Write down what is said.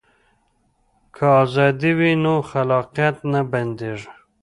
که ازادي وي نو خلاقیت نه بنديږي.